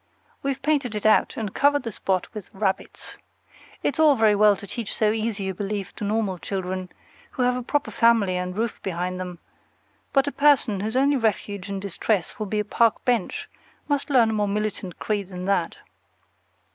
We've painted it out, and covered the spot with rabbits. It's all very well to teach so easy a belief to normal children, who have a proper family and roof behind them; but a person whose only refuge in distress will be a park bench must learn a more militant creed than that.